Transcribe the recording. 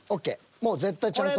もう絶対ちゃんと。